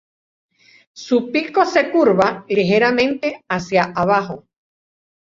Su pico se curva ligeramente hacia abajo.